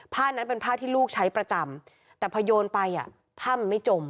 ผ้านั้นเป็นผ้าที่ลูกใช้ประจำแต่พอโยนไปอ่ะผ้ามันไม่จม